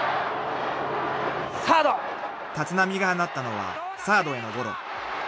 ［立浪が放ったのはサードへのゴロ］